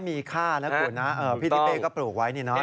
ดีจริงพื้นที่ว่างพอดีเลย